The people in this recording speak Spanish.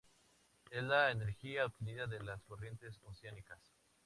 Es la energía obtenida de las corrientes oceánicas.